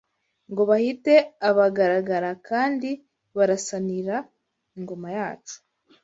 Ngo bahite abagaragara, Kandi barasanire ingoma yacu